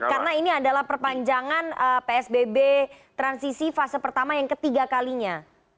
karena ini adalah perpanjangan psbb transisi fase pertama yang ketiga kalinya